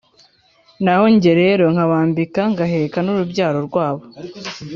naho jye rero, nkabambika ngaheka n'urubyaro rwabo.